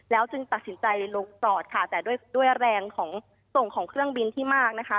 จึงตัดสินใจลงจอดค่ะแต่ด้วยด้วยแรงของส่งของเครื่องบินที่มากนะคะ